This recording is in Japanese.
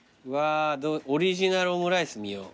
オリジナルオムライス見よう。